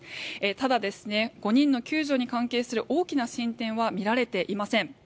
ただ、５人の救助に関する大きな進展は見られていません。